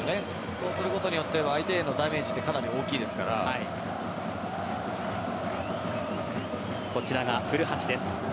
そうすることによって相手へのダメージこちらが古橋です。